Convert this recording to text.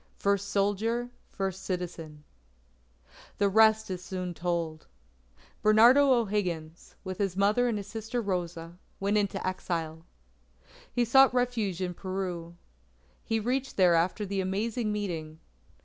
FIRST SOLDIER, FIRST CITIZEN The rest is soon told. Bernardo O'Higgins, with his mother and his sister Rosa, went into exile. He sought refuge in Peru. He reached there after the Amazing Meeting.